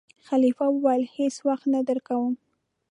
خلیفه وویل: هېڅ وخت نه درکووم.